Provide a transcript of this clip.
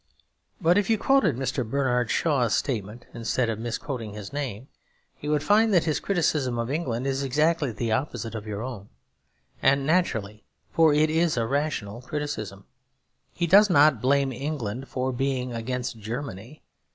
But if you quoted Mr. Bernard Shaw's statement instead of misquoting his name, you would find that his criticism of England is exactly the opposite of your own; and naturally, for it is a rational criticism. He does not blame England for being against Germany.